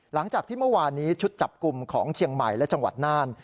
หลังจากที่เมื่อวานนี้ชุดจับกลุ่มของเชียงใหม่และจังหวัดน่าน